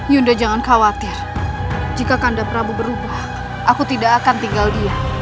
yunda jangan khawatir jika kanda prabu berubah aku tidak akan tinggal dia